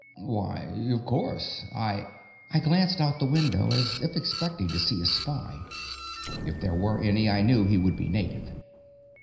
"Why, of course. I " I glanced out the window, as if expecting to see a spy. If there were any, I knew he would be native.